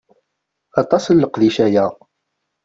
Aṭas n leqdic aya.